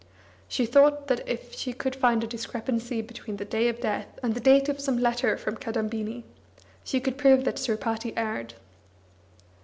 She thought that if she could find a discrepancy between the day of death and the date of some letter from Kadambini, she could prove that Sripati erred.